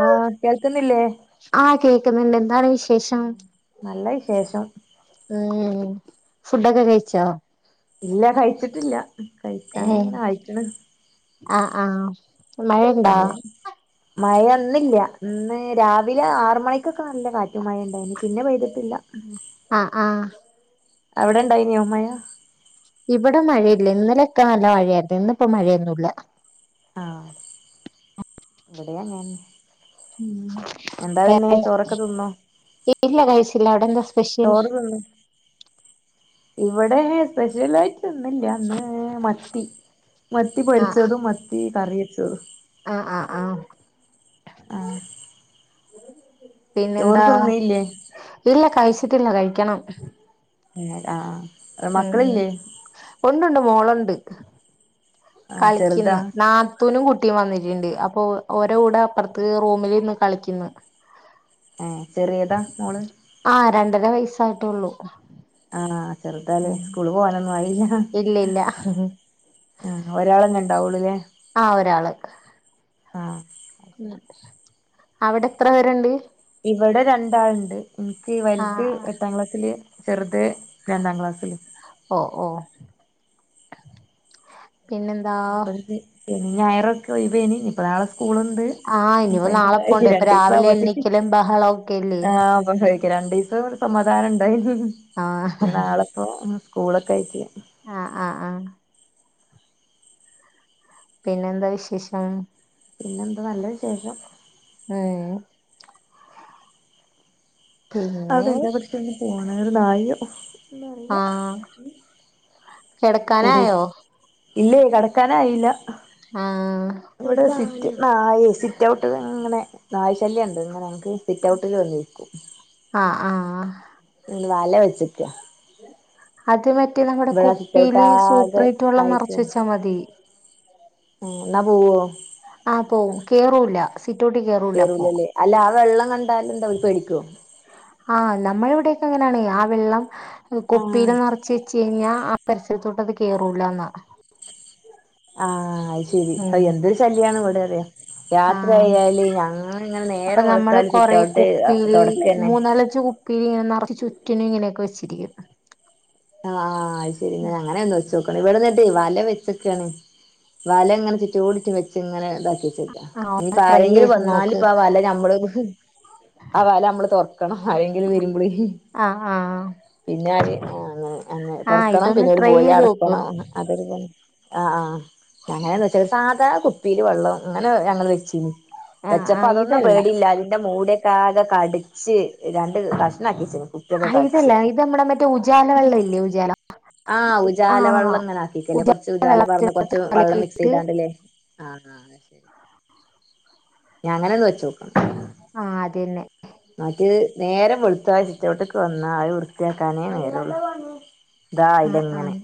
ആഹ് കേൾക്കുന്നില്ലേ [inaudible] ആ കേക്കുന്നുണ്ട് എന്താണ് വിശേഷം? ആഹ് നല്ല വിശേഷം. ഇമ്മ് ഫുഡൊക്കെകഴിച്ചോ? ഇല്ല കഴിച്ചിട്ടില്ല. ഏഹ് കഴിക്കാനിങ്ങനെ ആയിക്ണ് ആഹ് ആഹ് മഴയുണ്ടോ സമയം മഴന്നില്ല ഇന്ന് രാവിലെ ആർ മണിക്കൊക്കെ നല്ല കാറ്റും മഴിം ഇണ്ടായിനി പിന്നെ പെയ്തിട്ടില്ലാ ആഹ് ആഹ് അവിടെണ്ടായ്നോമയ? ഇബടെ മഴയില്ല ഇന്നലൊക്കെ നല്ല മഴയായിരുന്നു ഇന്നിപ്പോ മഴയൊന്നുല്ല ആഹ് ഇബടെയാങ്ങനെ മം ചോറൊക്കെ [unintelligible] ഇല്ലകഴിച്ചില്ല അവിടെന്താ സ് ചോറ്തിന്ന് ഇവിടെ സ്പെഷ്യൽ ആയിട്ട് ന്നില്ല ഇന്ന് മത്തി മത്തി ആഹ് പൊരിച്ചതും മത്തി കറി വെച്ചതും. ആഹ്, ആഹ്, ആ [inaudible] ചോറ് പിന്നെന്താ തിന്നില്ലേ ഇല്ല കഴിച്ചിട്ടില്ല കഴിക്കണം. ആഹ് ഹ് മക്കളില്ലേ ഉണ്ട്ണ്ട് മോളുണ്ട് ആഹ് ചെറുതാ കളിക്കുന്നു ന്നാ ത്തോനും കുട്ടീം വന്നിട്ടിണ്ട് അപ്പൊ ഓരെ കൂടെ അപ്പറത്ത് റൂമിൽ ഇര്ന്ന് കളിക്കുന്നു ഏഹ് ചെറിയതാ മോള് ആഹ് രണ്ടര വയസ്സായിട്ടൊള്ളു ആഹ് ചെറുതാല്ലെ സ്കൂള് പോവാനൊന്നും ആയില്ല ഇല്ല ഇല്ല ആഹ് ഒരാളന്നെ ഇണ്ടാവുള്ളുല്ലെ ആഹ് ഒരാള് ഉം അയ്ശരി അവിടെത്ര പേര്ണ്ട് ഇവടെ രണ്ടാള്ണ്ട് നിക്ക് വല്ത് ആഹ് എട്ടാംക്ലാസ്സില് ചെറുത് രണ്ടാം ക്ലാസ്സില് ഓ ഓ പിന്നെന്ത ഇപ്പത് ശനീം ഞായൊറൊക്കെ ഒയിവായിനി ഇനിപ്പ നാളെ സ്കൂളുണ്ട് ആഹ് ഇപ്പ ഇനിപ്പൊ നാളെ അയിന്റെ പോണ്ടെ ഇപ്പൊ രണ്ടീസം രാവിലെ എണ്ണീക്കലും ബഹളം ഒക്കെല്ലേ കഴിക്കല രണ്ടീസം ഒരു സമാധാനം ഇണ്ടായി ആഹ് ഇനി നാളിപ്പോ സ്കൂളൊക്കായിറ്റ് ആഹ് ആഹ് ആഹ് പിന്നെന്താ വിശേഷം പിന്നെന്ത് നല്ല വിശേഷം ഉം പിന്നെ അവിടെ എല്ലാ പട്ടിക്കും ഒന്ന് പോണെ ഒരു നായും ആഹ് കൂടെ കിടക്കാനായോ ഇല്ലേ കടക്കാനായില്ല ആഹ് ഇവിടെ സിറ്റ് നായെ സിറ്റ് ഔട്ട് ഇങ്ങനെ നായ ശല്യണ്ട് ഇങ്ങനെ മക്ക് സിറ്റൗട്ടിൽ വന്നിരിക്കും ആഹ് ആഹ് വല വെച്ചേക്ക അത് മറ്റേ നമ്മുടെ സിറ്റ് ഔട്ട് കുപ്പിയില് ആകെ സൂപ്പ്രേറ്റ് വെള്ളം നെറച്ച് വെച്ചാ മതി ഉം എന്ന പോവോ ആഹ് പോവും കേറൂല സിറ്റൗട്ടി കേറു കേറൂല്ലല്ലേ അല്ല ആ വെള്ളം കണ്ടാലെന്താ അവര് പേടിക്കോ ആഹ് നമ്മളിവിടൊക്കെ അങ്ങനാണെ ആ വെള്ളം ആഹ് കുപ്പിയില് നറച്ച് ച്ചഴിഞ്ഞ ആ പരിസരത്തോട്ട് അത് കേയറൂലാന്നാ ആഹ് അയ്ശെരി അ ഉം എന്തൊരു ശല്യാണ് ഇവിടറിയോ ആഹ് രാത്രിയായാല് ഞങ്ങളിങ്ങനെ അപ്പൊ നേരം നമ്മള് വെള്ത്താല് കൊറെ സിറ്റൗട്ട് തുടക്കന്നെ പിന്നെ ഇങ്ങനെ നെറച്ച് ചുറ്റിനും ഇങ്ങനെയൊക്കെ വെച്ചിരിക്കും ആഹ് ശരി ഇനി അങ്ങനൊന്ന് വച്ച്നോക്കാം ഇവിടെന്നിട്ടെ വല വെച്ചേക്കാണ് വലങ്ങനെ ചുറ്റോടിറ്റും വെച്ചിങ്ങനെ ഇതാക്കി ആഹ് ഒന്ന് ഇനിയിപ്പ ട്രൈ ആരെങ്കിലും ചെയ്ത് വന്നാല് നോക്ക് ഇപ്പാ വലഞമ്മള് ആ വല മ്മള് തൊറക്കണം ആരെങ്കിലും വരുമ്പളെ ആഹ് ആഹ് പിന്ന ഉം ആഹ് തൊറക്കണം ഇതൊന്ന് പിന്നെ ഓര് ട്രൈ പോയ ചെയ്ത് നോക്ക് അടക്കണം അതെല്ലേ ആഹ് ആഹ് ഞങ്ങനെയന്ന് വെച്ചാൽ സാധകു- പ്പീല് വെള്ളോം അങ്ങനെ ഞങ്ങള് വെച്ചീനി ആഹ് വെച്ചപ്പൊ ആഹ് അതൊന്നും ഇതല്ല പേടില്ല അതിന്റെ മൂടെ കാതെ കടിച്ച് രണ്ട് കഷ്ണാക്കി വെച്ചേക്കുന്ന് ആഹ് ഇതില്ലേ ഇത് മ്മടെ മറ്റേ ഉജാല വെള്ളവില്ലേ ഉജാല ആഹ് ഉജാല ആഹ് വെള്ളം ഇങ്ങനെ ആക്കിട്ടല്ലെ കൊറച്ച് ഉജാല പറഞ്ഞ് കൊറച്ച് വെള്ളം മിക്സ് കലക്കിയിട്ട് ചെയ്താണ്ടല്ലേ ആഹ് ആഹ് ശരി ഇനി അങ്ങനൊന്ന് വെച്ചോക്കാം ആഹ് അതന്നെ അത് നേരം വെളുത്താൽ ഇങ്ങോട്ടേക്കു വന്നാൽ അത് വൃത്തി ആക്കാനേ നേരംയൊള്ളൂ ഇതാ ആഹ് ഇതിങ്ങനെ ആഹ്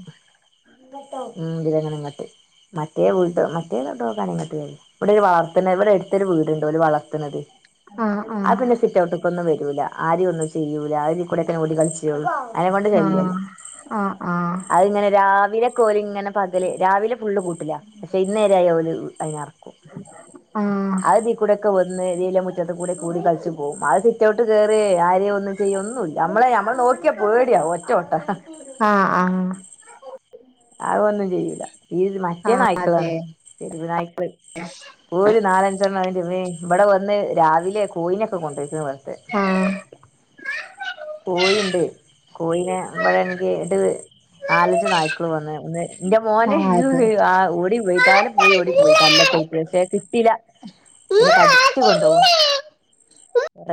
ഉം ദിതിങ്ങനെ ഇങ്ങട്ട്- മറ്റേ വീട്ട്ന്ന് [unintelligible] ഇങ്ങിട്ട് വ [unintelligible] രു ഇവിടെ ഒരു വളർത്തണ് ഇവിടെ എടുത്തൊരു വീടുണ്ട് ഓര് വളർത്തണത് ആഹ് ആ പിന്നെ- ആഹ് സിറ്റൗട്ട്ക്കൊന്നും വരൂല ആരേം ഒന്നും ചെയ്യൂല ആര് കുടെക്കെ ഓടി കളിച്ചൂള്ളൂ അയിനെ കൊണ്ട് ശല്യല്ല ആഹ് ആഹ് ആഹ് അതിങ്ങനെ രാവിലെ കോലിങ്ങനെ- പകല് രാവിലെ ഫുള്ള് കൂട്ടിലാ പക്ഷെ ഇന്നേരയാൽ ഒരു ടൈമേ ഇറക്കും ഉം അതീക്കൂടൊക്കെ വന്ന് ദേ ഇല്ല മുറ്റത്ത് കൂടെ കൂടി കളിച്ചും- അത് സിറ്റൗട്ടികേറി ആരേം ഒന്നും ചെയ്യും ഒന്നുംയില്ല നമ്മളെ നമ്മള് നോക്കിയാ പേടിയാ ഒറ്റ ഒട്ടം ആഹ് ആഹ് അതൊന്നും ചെയ്യൂല ഈ മറ്റേ ആഹ് നായ്ക്കളാണ് അതെ തെരുവ് നായ്ക്ക്ള് ഓര് നാലഞ്ചെണ്ണം അയിന്റെവേ ഇവിടെ വന്ന് രാവിലെ കോഴിനെ ഒക്കെ കൊണ്ടുപോയിട്ട് വന്ന് ആഹ് കോഴിയിണ്ട് കോഴിനെ ഇവടാണെങ്കിൽ എന്റെ നാലഞ്ചു നായി എന്നും പറഞ്ഞാ വന്നെ എന്റെ മോന് ആഹ് ആ ഓടി പോയിട്ടാലും- പോയി ഓടി പോയി കല്ലൊക്കെ ഇട്ടേച്ച് കിട്ടീലാ ഇനി കടിച്ചു കൊണ്ടോവും അതെ